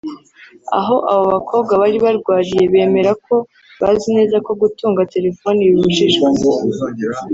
aho abo bakobwa bari barwariye bemera ko bazi neza ko gutunga telefoni bibujijwe